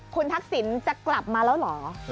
คุณทักษิณจะกลับมาแล้วเหรอ